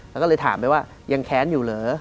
แล้วก็เลยถามไปว่ายังแค้นอยู่เหรอ